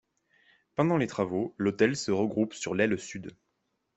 Pendant les travaux, l'hôtel se regroupe sur l'aile sud.